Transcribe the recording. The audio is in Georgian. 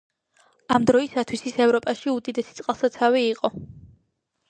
ამ დროისთვის ის ევროპაში უდიდესი წყალსაცავი იყო.